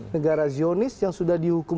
negara zionis yang sudah dihukum